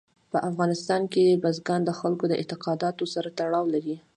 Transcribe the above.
په افغانستان کې بزګان د خلکو د اعتقاداتو سره تړاو لري.